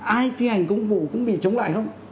ai thi hành công vụ cũng bị chống lại không